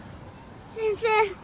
先生